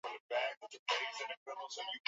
waliarifiwa na maharamia hawo kuwa meli hiyo